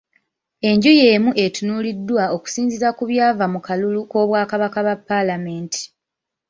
Enju y'emu etunuuliddwa okusinziira ku byava mu kalulu k'obwababaka ba paalamenti.